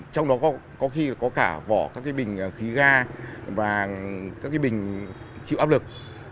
trong đó có khi có cả vỏ các bình khí ga và các bình chịu áp lực